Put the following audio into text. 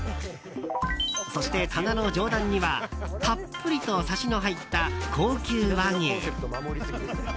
そして、棚の上段にはたっぷりとさしの入った高級和牛。